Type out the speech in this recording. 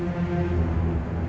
seraplik atau b lalat